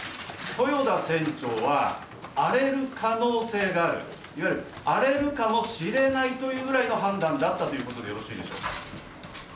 豊田船長は荒れる可能性があるいわゆる荒れるかもしれないというぐらいの判断だったということでよろしいんでしょうか？